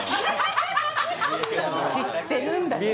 知ってるんだね